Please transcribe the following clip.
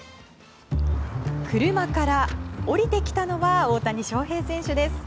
車から降りてきたのは大谷翔平選手です。